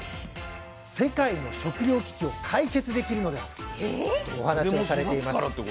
世界の食糧危機を解決できるのではとお話をされています。